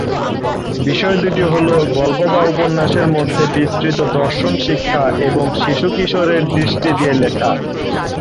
বিষয় দুটি হল: গল্প বা উপন্যাসের মধ্যে বিস্তৃত দর্শন শিক্ষা এবং শিশু-কিশোরের দৃষ্টি দিয়ে লেখা।